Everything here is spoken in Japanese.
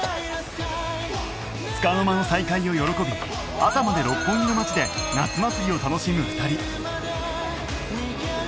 つかの間の再会を喜び朝まで六本木の街で夏祭りを楽しむ２人